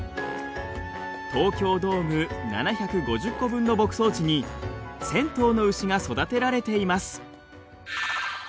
東京ドーム７５０個分の牧草地に１，０００頭の牛が育てられています。